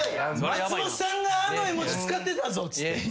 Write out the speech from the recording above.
松本さんがあの絵文字使ってたぞっつって。